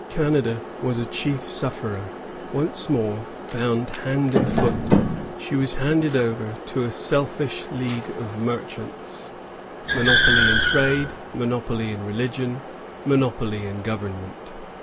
Canada was a chief sufferer. Once more, bound hand and foot, she was handed over to a selfish league of merchants, — monopoly in trade, monopoly in religion, monopoly in government.